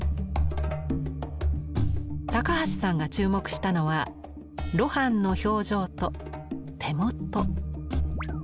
高橋さんが注目したのは露伴の表情と手元。